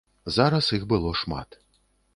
Зараз іх было шмат.